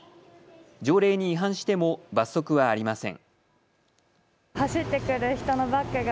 条例に違反しても罰則はありません。